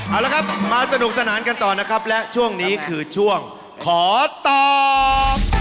เอาละครับมาสนุกสนานกันต่อนะครับและช่วงนี้คือช่วงขอตอบ